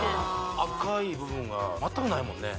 赤い部分が全くないもんね